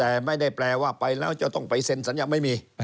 แต่ไม่ได้แปลว่าไปแล้วจะต้องไปเซ็นสัญญาไม่มี